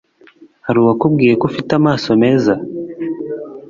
Hari uwakubwiye ko ufite amaso meza?